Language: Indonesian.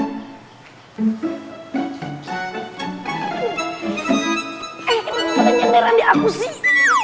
eh ini mana nyenderang di aku sih